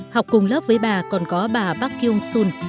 học cùng lớp với bà còn có bà park kyung soon